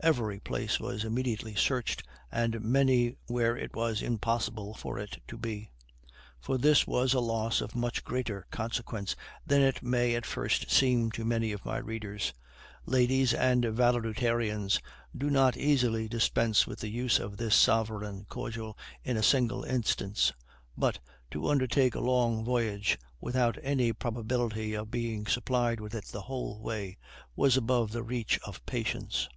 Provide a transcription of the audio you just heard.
Every place was immediately searched, and many where it was impossible for it to be; for this was a loss of much greater consequence than it may at first seem to many of my readers. Ladies and valetudinarians do not easily dispense with the use of this sovereign cordial in a single instance; but to undertake a long voyage, without any probability of being supplied with it the whole way, was above the reach of patience.